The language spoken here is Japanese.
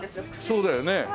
そうだよね。